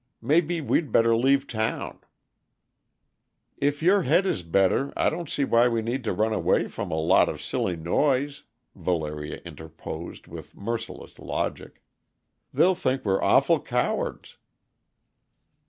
Maybe we'd better leave town " "If your head is better, I don't see why we need run away from a lot of silly noise," Valeria interposed, with merciless logic. "They'll think we're awful cowards."